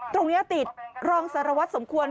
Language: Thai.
ติดรองสารวัตรสมควร